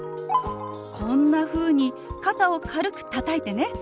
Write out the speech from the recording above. こんなふうに肩を軽くたたいてね。